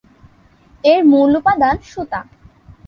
এর মূল উপাদান সুতা।